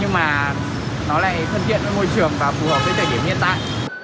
nhưng mà nó lại phân tiện với môi trường và phù hợp với thời điểm hiện tại